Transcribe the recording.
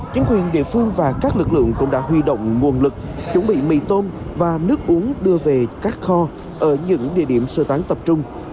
chính quyền địa phương và các lực lượng cũng đã huy động nguồn lực chuẩn bị mì tôm và nước uống đưa về các kho ở những địa điểm sơ tán tập trung